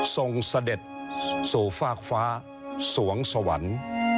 เสด็จสู่ฟากฟ้าสวงสวรรค์